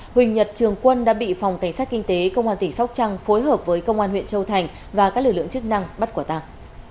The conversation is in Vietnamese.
huỳnh nhật trường quân đã bị phòng cảnh sát kinh tế công an tỉnh sóc trăng phối hợp với công an huyện châu thành và các lực lượng chức năng bắt quả tàng